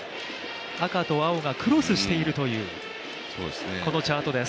赤と青がクロスしているというこのチャートです。